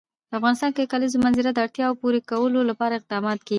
په افغانستان کې د کلیزو منظره د اړتیاوو پوره کولو لپاره اقدامات کېږي.